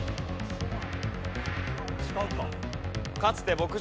すごい！